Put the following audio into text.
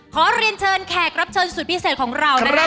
ขอเรียนเชิญแขกรับเชิญสุดพิเศษของเรานะครับ